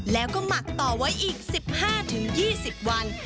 แล้วก็หมักต่อไว้อีก๑๕๒๐วัน